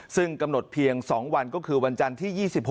ซึ่งกำหนดเพียง๒วันก็คือวันจันทร์ที่๒๖